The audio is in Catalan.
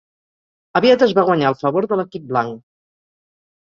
Aviat es va guanyar el favor de l'equip blanc.